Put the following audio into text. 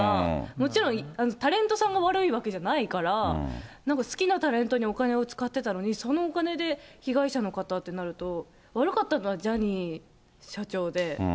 もちろんタレントさんが悪いわけじゃないから、なんか好きなタレントにお金を使ってたのに、そのお金で被害者の方ってなると、悪かったのはジャニー社長で。